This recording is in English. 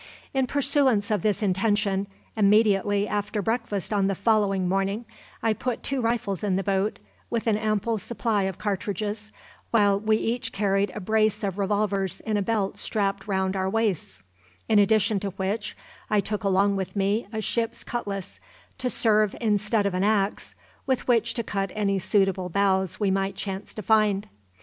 In pursuance of this intention, immediately after breakfast on the following morning, I put two rifles in the boat, with an ample supply of cartridges, while we each carried a brace of revolvers in a belt strapped round our waists; in addition to which I took along with me a ship's cutlass to serve instead of an axe with which to cut any suitable boughs we might chance to find.